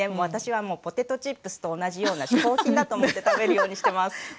私はもうポテトチップスと同じような嗜好品だと思って食べるようにしてます。